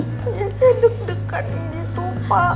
kayak deg degan gitu pak